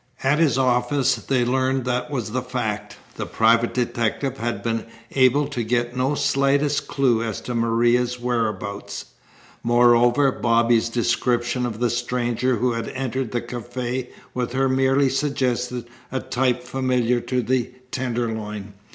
At his office they learned that was the fact. The private detective had been able to get no slightest clue as to Maria's whereabouts. Moreover, Bobby's description of the stranger who had entered the cafe with her merely suggested a type familiar to the Tenderloin.